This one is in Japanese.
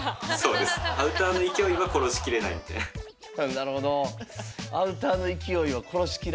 なるほど。